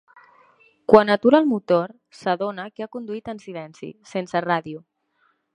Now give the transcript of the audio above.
Quan atura el motor s'adona que ha conduït en silenci, sense ràdio.